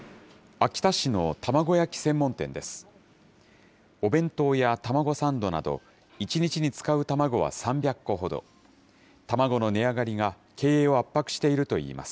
秋田市の卵焼き専門店です。